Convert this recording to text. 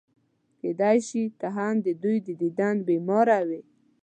کېدای شي ته هم د دوی د دیدن بیماره وې.